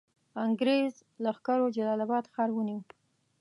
انګرېز لښکرو جلال آباد ښار ونیوی.